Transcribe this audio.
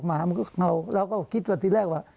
หมามันก็เหงาเราก็คิดว่าทีแรกว่า